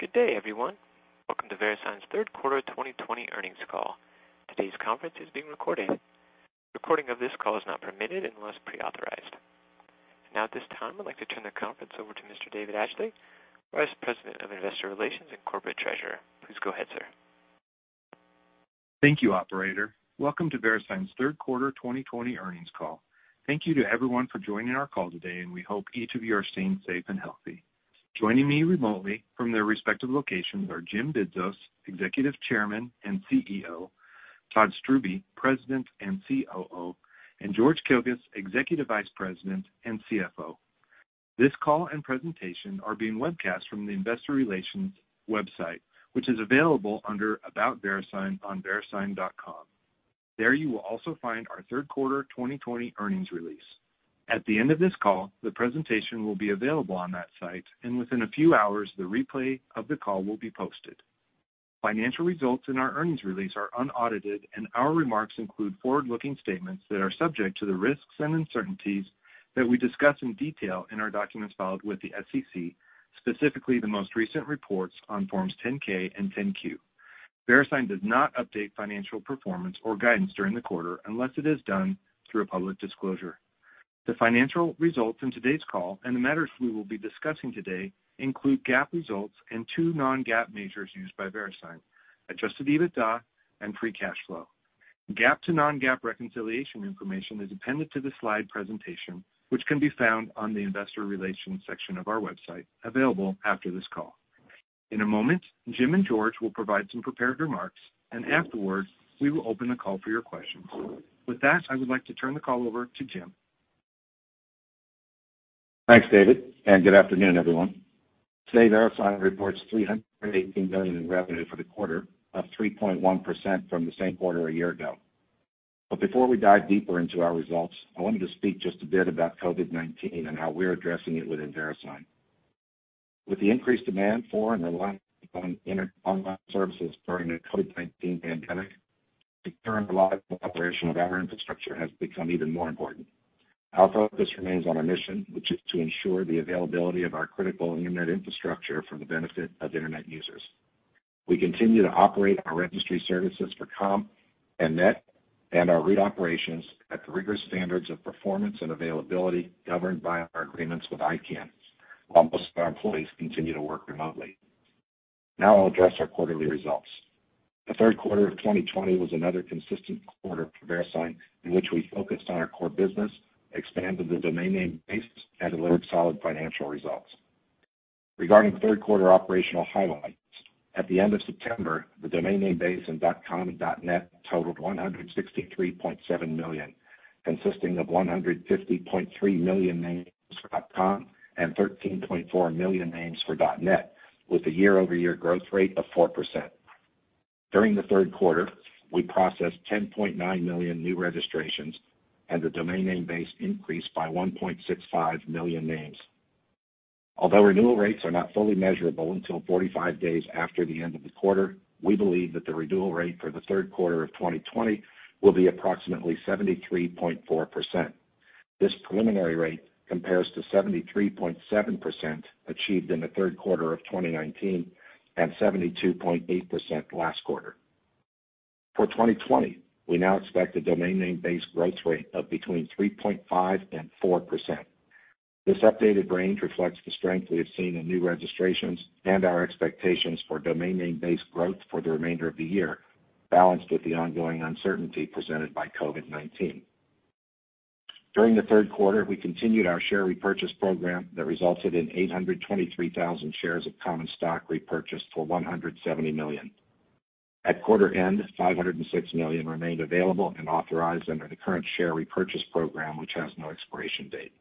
Good day, everyone. Welcome to VeriSign's third quarter 2020 earnings call. Today's conference is being recorded. Recording of this call is not permitted unless pre-authorized. Now at this time, I'd like to turn the conference over to Mr. David Atchley, Vice President of Investor Relations and Corporate Treasurer. Please go ahead, sir. Thank you, operator. Welcome to VeriSign's third quarter 2020 earnings call. Thank you to everyone for joining our call today, and we hope each of you are staying safe and healthy. Joining me remotely from their respective locations are Jim Bidzos, Executive Chairman and CEO, Todd Strubbe, President and COO, and George Kilguss, Executive Vice President and CFO. This call and presentation are being webcast from the investor relations website, which is available under About VeriSign on verisign.com. There you will also find our third quarter 2020 earnings release. At the end of this call, the presentation will be available on that site, and within a few hours, the replay of the call will be posted. Financial results in our earnings release are unaudited, and our remarks include forward-looking statements that are subject to the risks and uncertainties that we discuss in detail in our documents filed with the SEC, specifically the most recent reports on Forms 10-K and 10-Q. VeriSign does not update financial performance or guidance during the quarter unless it is done through a public disclosure. The financial results in today's call and the matters we will be discussing today include GAAP results and two non-GAAP measures used by VeriSign, adjusted EBITDA and free cash flow. GAAP to non-GAAP reconciliation information is appended to the slide presentation, which can be found on the investor relations section of our website, available after this call. In a moment, Jim and George will provide some prepared remarks, and afterward, we will open the call for your questions. With that, I would like to turn the call over to Jim. Thanks, David. Good afternoon, everyone. Today, VeriSign reports $318 million in revenue for the quarter, up 3.1% from the same quarter a year ago. Before we dive deeper into our results, I wanted to speak just a bit about COVID-19 and how we're addressing it within VeriSign. With the increased demand for and reliance upon online services during the COVID-19 pandemic, ensuring the reliable operation of our infrastructure has become even more important. Our focus remains on our mission, which is to ensure the availability of our critical internet infrastructure for the benefit of internet users. We continue to operate our registry services for .com and .net, and our root operations at the rigorous standards of performance and availability governed by our agreements with ICANN, while most of our employees continue to work remotely. Now I'll address our quarterly results. The third quarter of 2020 was another consistent quarter for VeriSign, in which we focused on our core business, expanded the domain name base, and delivered solid financial results. Regarding third quarter operational highlights, at the end of September, the domain name base in .com and .net totaled 163.7 million, consisting of 150.3 million names for .com and 13.4 million names for .net, with a year-over-year growth rate of 4%. During the third quarter, we processed 10.9 million new registrations and the domain name base increased by 1.65 million names. Although renewal rates are not fully measurable until 45 days after the end of the quarter, we believe that the renewal rate for the third quarter of 2020 will be approximately 73.4%. This preliminary rate compares to 73.7% achieved in the third quarter of 2019 and 72.8% last quarter. For 2020, we now expect a domain name base growth rate of between 3.5% and 4%. This updated range reflects the strength we have seen in new registrations and our expectations for domain name base growth for the remainder of the year, balanced with the ongoing uncertainty presented by COVID-19. During the third quarter, we continued our share repurchase program that resulted in 823,000 shares of common stock repurchased for $170 million. At quarter end, $506 million remained available and authorized under the current share repurchase program, which has no expiration date.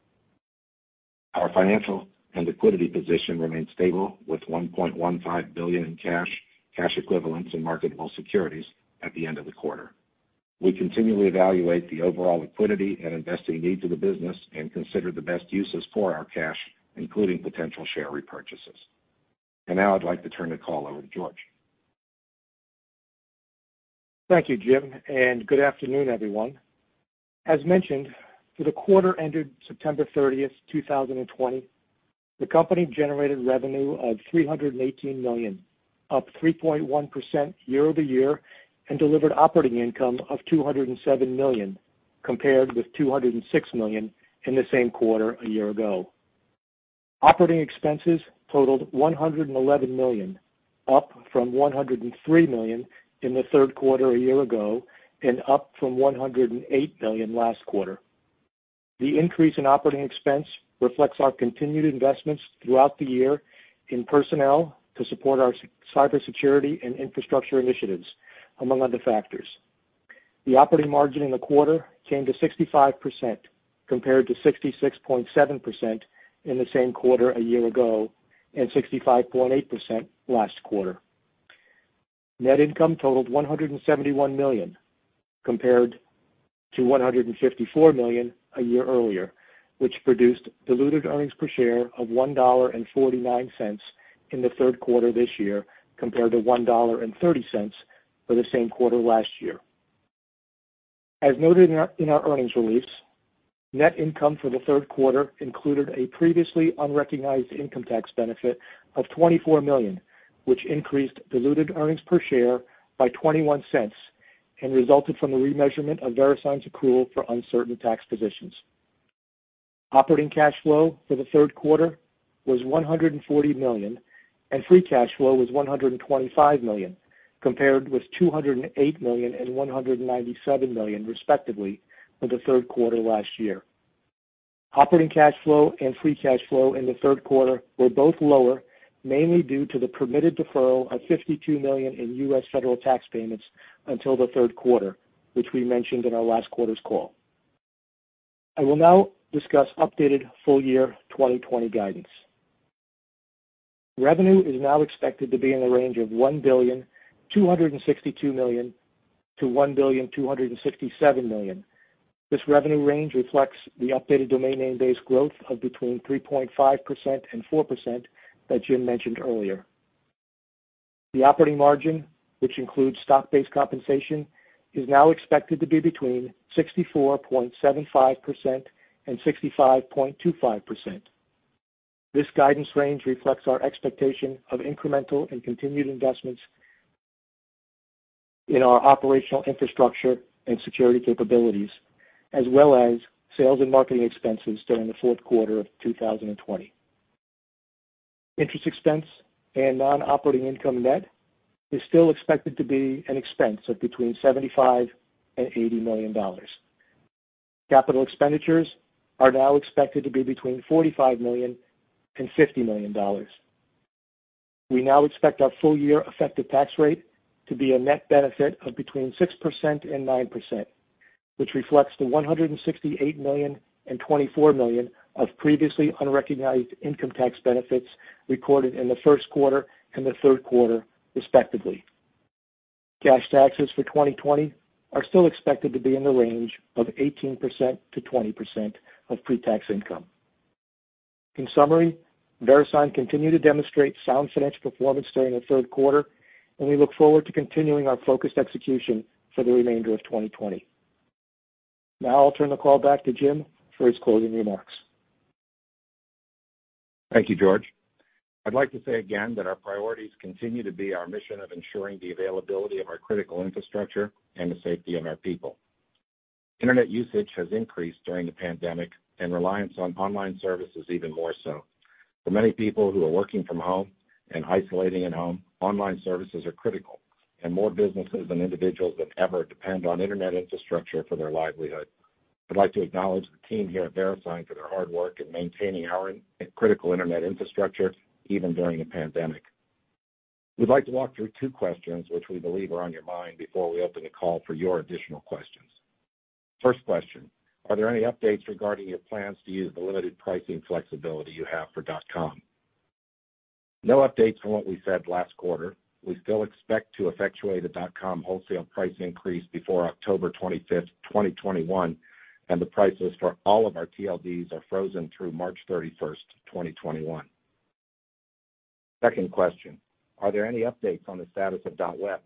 Our financial and liquidity position remains stable, with $1.15 billion in cash equivalents, and marketable securities at the end of the quarter. Now I'd like to turn the call over to George. Thank you, Jim, and good afternoon, everyone. As mentioned, for the quarter ended September 30th, 2020, the company generated revenue of $318 million, up 3.1% year-over-year, and delivered operating income of $207 million, compared with $206 million in the same quarter a year ago. Operating expenses totaled $111 million, up from $103 million in the third quarter a year ago and up from $108 million last quarter. The increase in operating expense reflects our continued investments throughout the year in personnel to support our cybersecurity and infrastructure initiatives, among other factors. The operating margin in the quarter came to 65%, compared to 66.7% in the same quarter a year ago and 65.8% last quarter. Net income totaled $171 million, compared to $154 million a year earlier, which produced diluted earnings per share of $1.49 in the third quarter this year, compared to $1.30 for the same quarter last year. As noted in our earnings release, net income for the third quarter included a previously unrecognized income tax benefit of $24 million, which increased diluted earnings per share by $0.21 and resulted from the remeasurement of VeriSign's accrual for uncertain tax positions. Operating cash flow for the third quarter was $140 million, and free cash flow was $125 million, compared with $208 million and $197 million, respectively, for the third quarter last year. Operating cash flow and free cash flow in the third quarter were both lower, mainly due to the permitted deferral of $52 million in U.S. federal tax payments until the third quarter, which we mentioned in our last quarter's call. I will now discuss updated full-year 2020 guidance. Revenue is now expected to be in the range of $1,262 million-$1,267 million. This revenue range reflects the updated domain name base growth of between 3.5% and 4% that Jim mentioned earlier. The operating margin, which includes stock-based compensation, is now expected to be between 64.75% and 65.25%. This guidance range reflects our expectation of incremental and continued investments in our operational infrastructure and security capabilities, as well as sales and marketing expenses during the fourth quarter of 2020. Interest expense and non-operating income net is still expected to be an expense of between $75 million and $80 million. Capital expenditures are now expected to be between $45 million and $50 million. We now expect our full-year effective tax rate to be a net benefit of between 6% and 9%, which reflects the $168 million and $24 million of previously unrecognized income tax benefits recorded in the first quarter and the third quarter, respectively. Cash taxes for 2020 are still expected to be in the range of 18%-20% of pre-tax income. In summary, VeriSign continued to demonstrate sound financial performance during the third quarter, and we look forward to continuing our focused execution for the remainder of 2020. Now, I'll turn the call back to Jim for his closing remarks. Thank you, George. I'd like to say again that our priorities continue to be our mission of ensuring the availability of our critical infrastructure and the safety of our people. Internet usage has increased during the pandemic, and reliance on online services even more so. For many people who are working from home and isolating at home, online services are critical, and more businesses and individuals than ever depend on internet infrastructure for their livelihood. I'd like to acknowledge the team here at VeriSign for their hard work in maintaining our critical internet infrastructure, even during a pandemic. We'd like to walk through two questions which we believe are on your mind before we open the call for your additional questions. First question, are there any updates regarding your plans to use the limited pricing flexibility you have for .com? No updates from what we said last quarter. We still expect to effectuate a .com wholesale price increase before October 25th, 2021, and the prices for all of our TLDs are frozen through March 31st, 2021. Second question, are there any updates on the status of .web?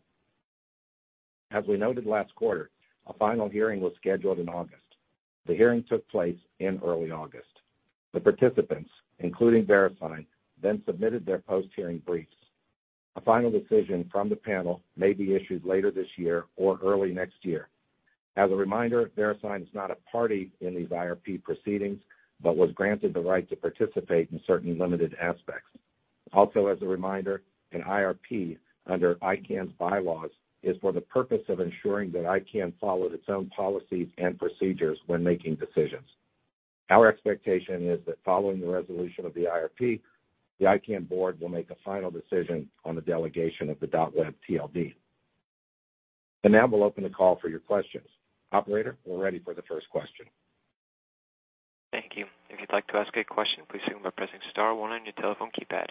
As we noted last quarter, a final hearing was scheduled in August. The hearing took place in early August. The participants, including VeriSign, then submitted their post-hearing briefs. A final decision from the panel may be issued later this year or early next year. As a reminder, VeriSign is not a party in these IRP proceedings but was granted the right to participate in certain limited aspects. Also, as a reminder, an IRP under ICANN's bylaws is for the purpose of ensuring that ICANN follow its own policies and procedures when making decisions. Our expectation is that following the resolution of the IRP, the ICANN board will make a final decision on the delegation of the .web TLD. Now we'll open the call for your questions. Operator, we're ready for the first question. Thank you. If you'd like to ask a question, please signal by pressing star one on your telephone keypad.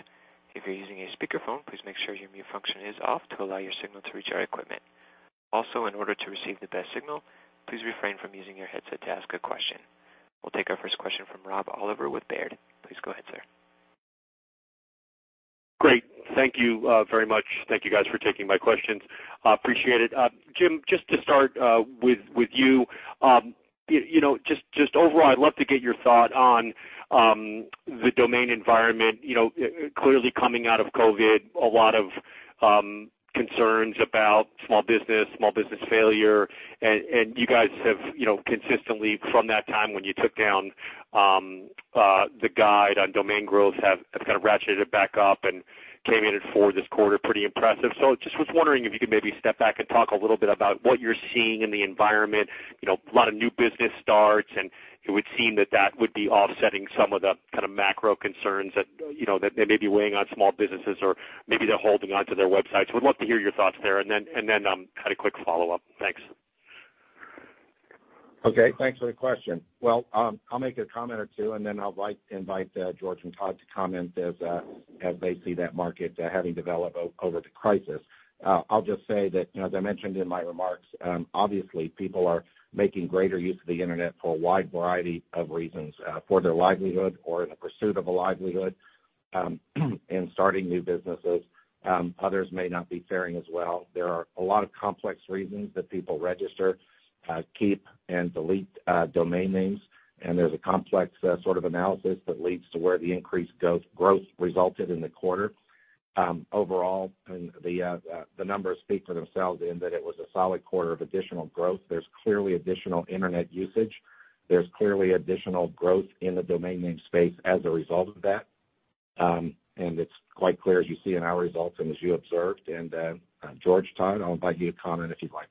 If you're using a speakerphone, please make sure your mute function is off to allow your signal to reach our equipment. Also, in order to receive the best signal, please refrain from using your headset to ask a question. We'll take our first question from Rob Oliver with Baird. Please go ahead, sir. Great. Thank you very much. Thank you guys for taking my questions. Appreciate it. Jim, just to start with you, just overall, I'd love to get your thought on the domain environment. Clearly coming out of COVID, a lot of concerns about small business, small business failure, you guys have consistently from that time when you took down the guide on domain growth, have kind of ratcheted it back up and came in at four this quarter, pretty impressive. Just was wondering if you could maybe step back and talk a little bit about what you're seeing in the environment. A lot of new business starts, it would seem that that would be offsetting some of the macro concerns that may be weighing on small businesses, or maybe they're holding onto their websites. Would love to hear your thoughts there, kind of quick follow-up. Thanks. Okay, thanks for the question. Well, I'll make a comment or two, and then I'd like to invite George and Todd to comment as they see that market having developed over the crisis. I'll just say that, as I mentioned in my remarks, obviously people are making greater use of the internet for a wide variety of reasons, for their livelihood or in the pursuit of a livelihood and starting new businesses. Others may not be faring as well. There are a lot of complex reasons that people register, keep, and delete domain names, and there's a complex sort of analysis that leads to where the increased growth resulted in the quarter. Overall, the numbers speak for themselves in that it was a solid quarter of additional growth. There's clearly additional internet usage. There's clearly additional growth in the domain name space as a result of that. It's quite clear as you see in our results and as you observed. George Todd, I'll invite you to comment if you'd like.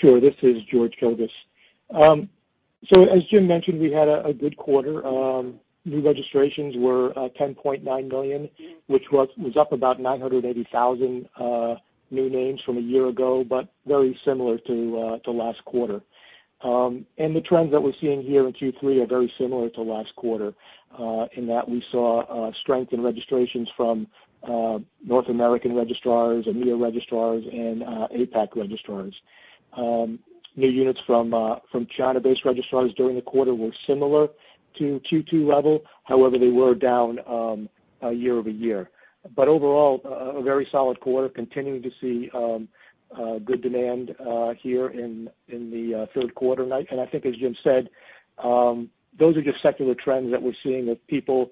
Sure. This is George Kilguss. As Jim mentioned, we had a good quarter. New registrations were 10.9 million, which was up about 980,000 new names from a year ago, but very similar to last quarter. The trends that we're seeing here in Q3 are very similar to last quarter, in that we saw strength in registrations from North American registrars and EMEA registrars and APAC registrars. New units from China-based registrars during the quarter were similar to Q2 level. However, they were down year-over-year. Overall, a very solid quarter, continuing to see good demand here in the third quarter. I think as Jim said, those are just secular trends that we're seeing with people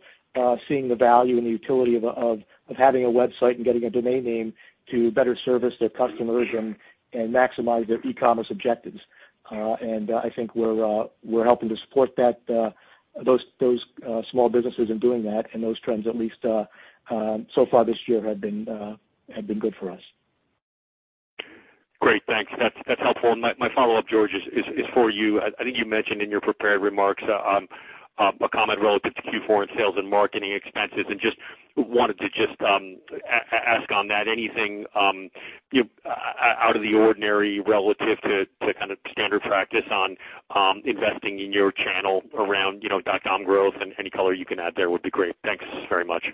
seeing the value and the utility of having a website and getting a domain name to better service their customers and maximize their e-commerce objectives. I think we're helping to support those small businesses in doing that, and those trends, at least so far this year, have been good for us. Great. Thanks. That's helpful. My follow-up, George, is for you. I think you mentioned in your prepared remarks a comment relative to Q4 on sales and marketing expenses, just wanted to ask on that, anything out of the ordinary relative to kind of standard practice on investing in your channel around .com growth? Any color you can add there would be great. Thanks very much.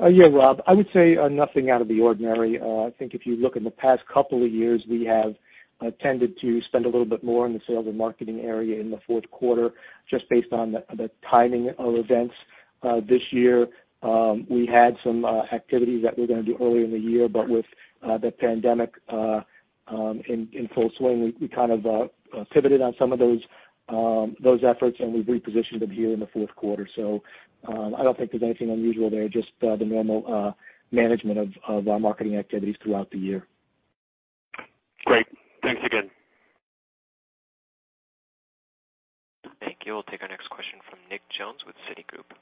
Yeah, Rob. I would say nothing out of the ordinary. I think if you look in the past couple of years, we have tended to spend a little bit more on the sales and marketing area in the fourth quarter, just based on the timing of events. This year, we had some activities that we were going to do early in the year, but with the pandemic in full swing, we kind of pivoted on some of those efforts, and we repositioned them here in the fourth quarter. I don't think there's anything unusual there, just the normal management of our marketing activities throughout the year. Great. Thanks again. Thank you. We'll take our next question from Nick Jones with Citigroup.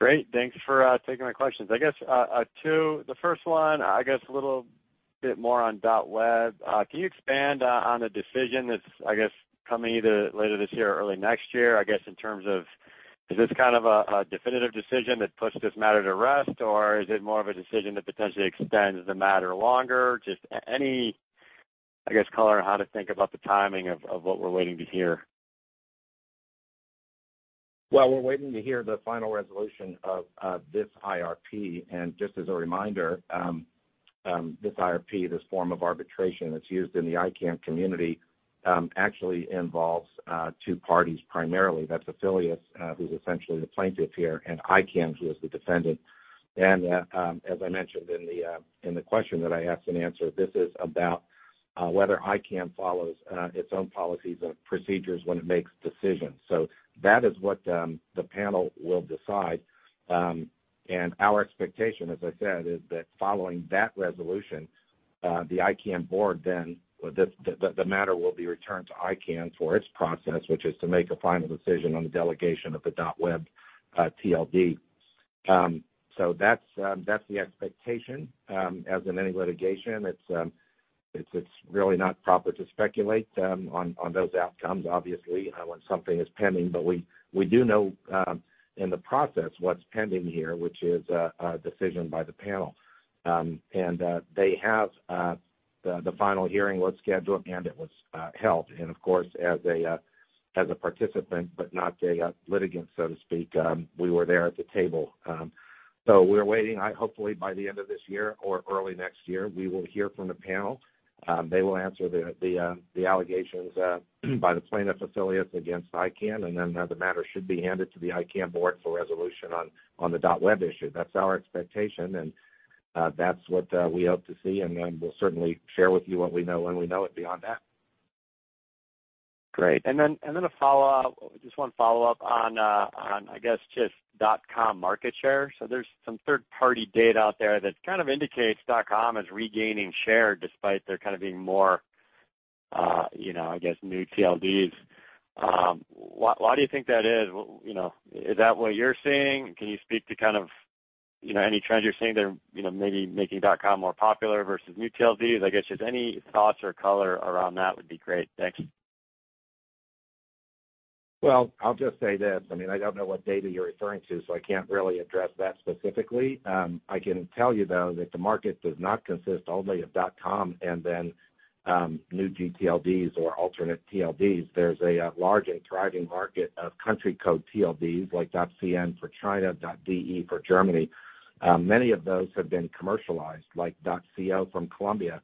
Great. Thanks for taking my questions. I guess two. The first one, I guess a little bit more on .web. Can you expand on the decision that's, I guess, coming either later this year or early next year, I guess in terms of, is this kind of a definitive decision that puts this matter to rest, or is it more of a decision that potentially extends the matter longer? Just any, I guess, color on how to think about the timing of what we're waiting to hear. Well, we're waiting to hear the final resolution of this IRP. Just as a reminder, this IRP, this form of arbitration that's used in the ICANN community, actually involves two parties, primarily. That's Afilias, who's essentially the plaintiff here, and ICANN, who is the defendant. As I mentioned in the question that I asked and answered, this is about whether ICANN follows its own policies or procedures when it makes decisions. That is what the panel will decide. Our expectation, as I said, is that following that resolution, the ICANN board the matter will be returned to ICANN for its process, which is to make a final decision on the delegation of the .web TLD. That's the expectation. As in any litigation, it's really not proper to speculate on those outcomes, obviously, when something is pending. We do know in the process what's pending here, which is a decision by the panel. The final hearing was scheduled, and it was held. Of course, as a participant, but not a litigant, so to speak, we were there at the table. We're waiting. Hopefully, by the end of this year or early next year, we will hear from the panel. They will answer the allegations by the plaintiff, Afilias, against ICANN, and then the matter should be handed to the ICANN board for resolution on the .web issue. That's our expectation, and that's what we hope to see, and then we'll certainly share with you what we know when we know it beyond that. Great. A follow-up. Just one follow-up on, I guess, just .com market share. There's some third-party data out there that kind of indicates .com is regaining share despite there kind of being more, I guess, new TLDs. Why do you think that is? Is that what you're seeing? Can you speak to kind of any trends you're seeing that are maybe making .com more popular versus new TLDs? I guess just any thoughts or color around that would be great. Thanks. I'll just say this. I don't know what data you're referring to, so I can't really address that specifically. I can tell you, though, that the market does not consist only of .com and new gTLDs or alternate TLDs. There's a large and thriving market of country code TLDs like .cn for China, .de for Germany. Many of those have been commercialized, like .co from Colombia.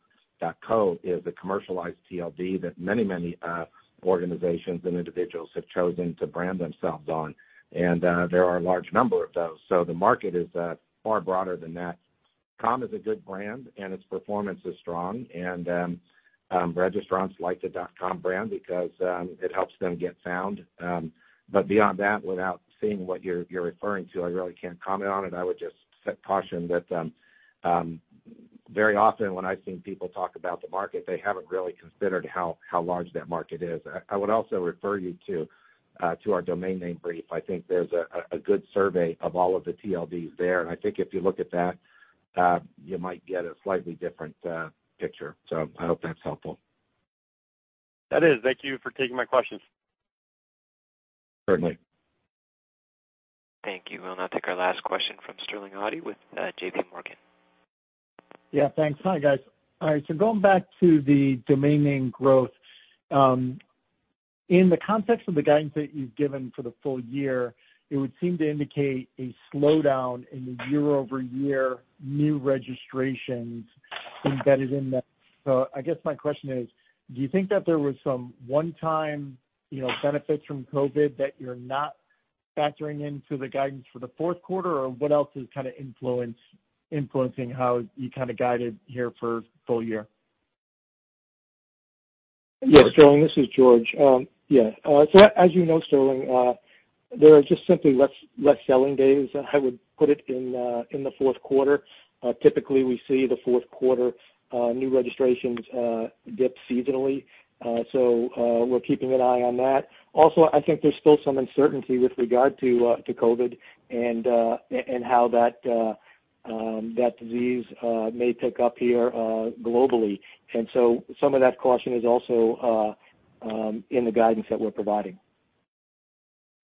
.co is a commercialized TLD that many organizations and individuals have chosen to brand themselves on, and there are a large number of those. The market is far broader than that. .com is a good brand, and its performance is strong. Registrants like the .com brand because it helps them get found. Beyond that, without seeing what you're referring to, I really can't comment on it. I would just caution that very often, when I've seen people talk about the market, they haven't really considered how large that market is. I would also refer you to our Domain Name Industry Brief. I think there's a good survey of all of the TLDs there. I think if you look at that, you might get a slightly different picture. I hope that's helpful. That is. Thank you for taking my questions. Certainly. Thank you. We'll now take our last question from Sterling Auty with JPMorgan. Yeah, thanks. Hi, guys. All right, going back to the domain name growth. In the context of the guidance that you've given for the full year, it would seem to indicate a slowdown in the year-over-year new registrations embedded in that. I guess my question is: do you think that there was some one-time benefits from COVID that you're not factoring into the guidance for the fourth quarter? Or what else is kind of influencing how you guided here for full-year? Yes, Sterling, this is George. Yeah. As you know, Sterling, there are just simply less selling days. I would put it in the fourth quarter. Typically, we see the fourth quarter new registrations dip seasonally, so we're keeping an eye on that. Also, I think there's still some uncertainty with regard to COVID and how that disease may pick up here globally. Some of that caution is also in the guidance that we're providing.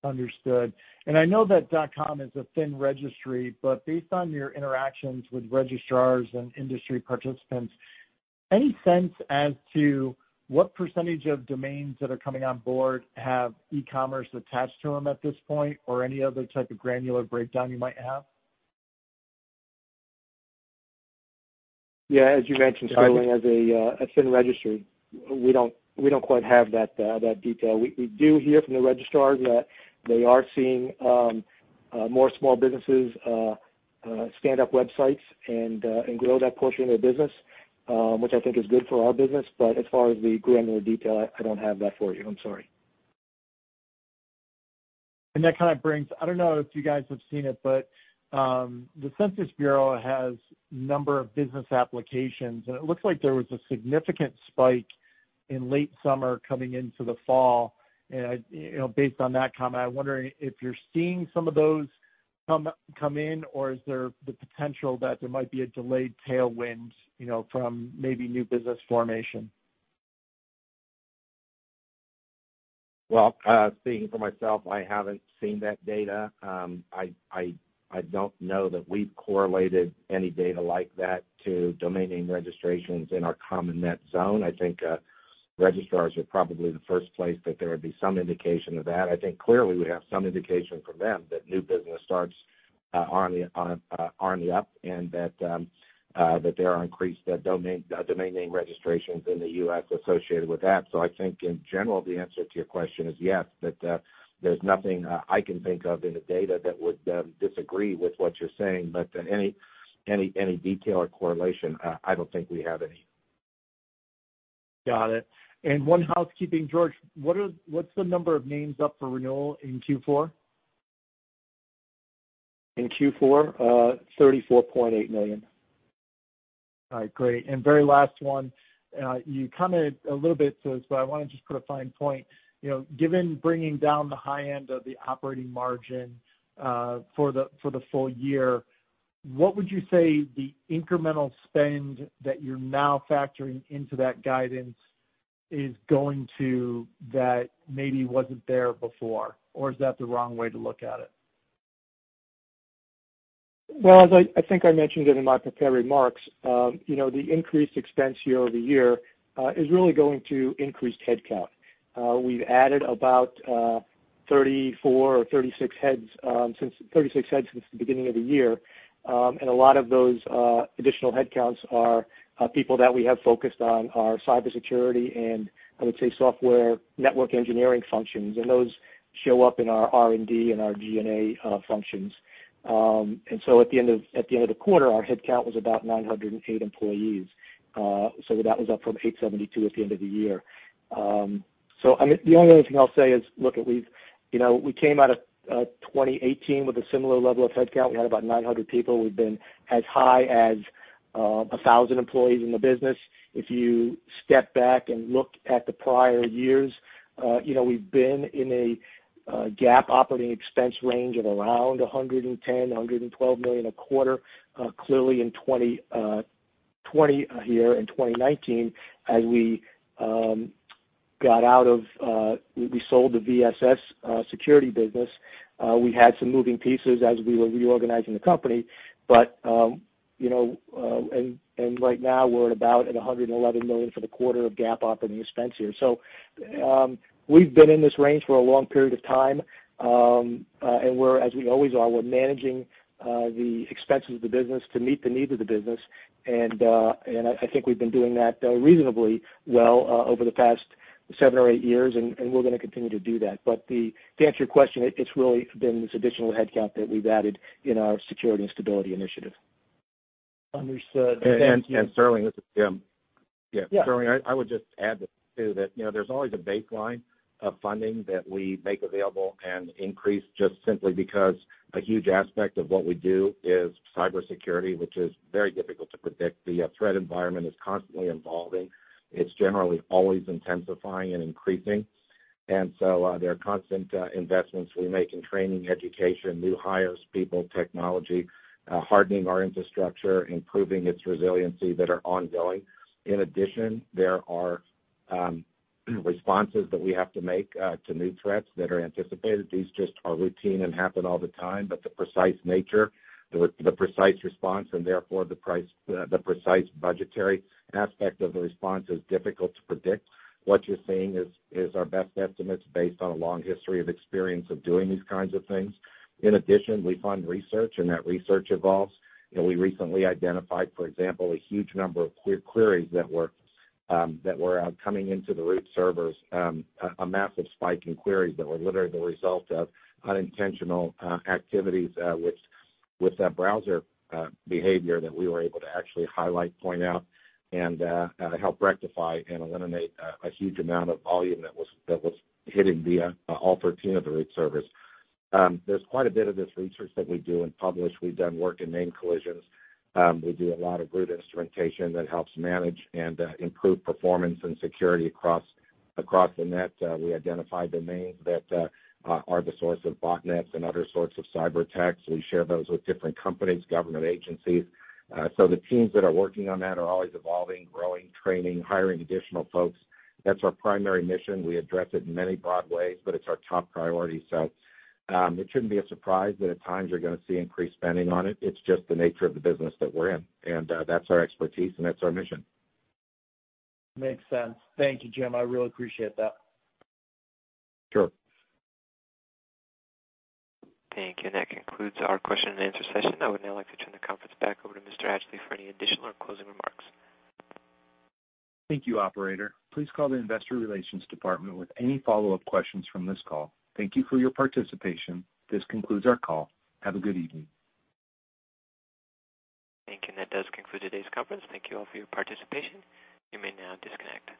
Understood. I know that .com is a thin registry, but based on your interactions with registrars and industry participants, any sense as to what percentage of domains that are coming on board have e-commerce attached to them at this point, or any other type of granular breakdown you might have? Yeah, as you mentioned, Sterling, as a thin registry, we don't quite have that detail. We do hear from the registrars that they are seeing more small businesses stand up websites and grow that portion of their business, which I think is good for our business. As far as the granular detail, I don't have that for you. I'm sorry. I don't know if you guys have seen it, but the Census Bureau has number of business applications, and it looks like there was a significant spike in late summer coming into the fall. Based on that comment, I'm wondering if you're seeing some of those come in, or is there the potential that there might be a delayed tailwind from maybe new business formation? Speaking for myself, I haven't seen that data. I don't know that we've correlated any data like that to domain name registrations in our .com .net zone. I think registrars are probably the first place that there would be some indication of that. I think clearly we have some indication from them that new business starts are on the up and that there are increased domain name registrations in the U.S. associated with that. I think in general, the answer to your question is yes, but there's nothing I can think of in the data that would disagree with what you're saying. Any detail or correlation, I don't think we have any. Got it. One housekeeping, George. What's the number of names up for renewal in Q4? In Q4? $34.8 million. All right, great. Very last one. You commented a little bit, so that's why I want to just put a fine point. Given bringing down the high end of the operating margin for the full year, what would you say the incremental spend that you're now factoring into that guidance is going to that maybe wasn't there before? Or is that the wrong way to look at it? Well, as I think I mentioned it in my prepared remarks, the increased expense year-over-year is really going to increased headcount. We've added about 34 or 36 heads since the beginning of the year, and a lot of those additional headcounts are people that we have focused on our cybersecurity and, I would say, software network engineering functions, and those show up in our R&D and our G&A functions. At the end of the quarter, our headcount was about 908 employees. That was up from 872 at the end of the year. The only other thing I'll say is, look, we came out of 2018 with a similar level of headcount. We had about 900 people. We've been as high as 1,000 employees in the business. If you step back and look at the prior years, we've been in a GAAP operating expense range of around $110 million-$112 million a quarter. Clearly, in 2020 here, in 2019, as we. We sold the VSS security business. We had some moving pieces as we were reorganizing the company. Right now we're at about $111 million for the quarter of GAAP operating expense here. We've been in this range for a long period of time. We're, as we always are, we're managing the expenses of the business to meet the needs of the business. I think we've been doing that reasonably well over the past seven or eight years, and we're going to continue to do that. To answer your question, it's really been this additional headcount that we've added in our security and stability initiative. Understood. Thank you. Sterling, this is Jim. Yeah. Sterling, I would just add to that, there's always a baseline of funding that we make available and increase just simply because a huge aspect of what we do is cybersecurity, which is very difficult to predict. The threat environment is constantly evolving. It's generally always intensifying and increasing. There are constant investments we make in training, education, new hires, people, technology, hardening our infrastructure, improving its resiliency that are ongoing. In addition, there are responses that we have to make to new threats that are anticipated. These just are routine and happen all the time, but the precise nature, the precise response, and therefore the precise budgetary aspect of the response is difficult to predict. What you're seeing is our best estimates based on a long history of experience of doing these kinds of things. In addition, we fund research, and that research evolves. We recently identified, for example, a huge number of queries that were out coming into the root servers, a massive spike in queries that were literally the result of unintentional activities with that browser behavior that we were able to actually highlight, point out, and help rectify and eliminate a huge amount of volume that was hitting all 13 of the root servers. There's quite a bit of this research that we do and publish. We've done work in name collisions. We do a lot of root instrumentation that helps manage and improve performance and security across the net. We identify domains that are the source of botnets and other sorts of cyberattacks. We share those with different companies, government agencies. The teams that are working on that are always evolving, growing, training, hiring additional folks. That's our primary mission. We address it in many broad ways, it's our top priority. It shouldn't be a surprise that at times you're going to see increased spending on it. It's just the nature of the business that we're in. That's our expertise, and that's our mission. Makes sense. Thank you, Jim. I really appreciate that. Sure. Thank you. That concludes our question and answer session. I would now like to turn the conference back over to Mr. Atchley for any additional or closing remarks. Thank you, operator. Please call the investor relations department with any follow-up questions from this call. Thank you for your participation. This concludes our call. Have a good evening. Thank you. That does conclude today's conference. Thank you all for your participation. You may now disconnect.